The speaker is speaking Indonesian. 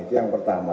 itu yang pertama